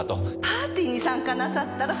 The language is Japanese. パーティーに参加なさったら？